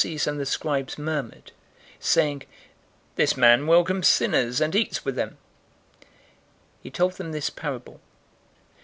015:002 The Pharisees and the scribes murmured, saying, "This man welcomes sinners, and eats with them." 015:003 He told them this parable.